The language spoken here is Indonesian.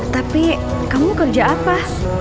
tapi kamu kerja apa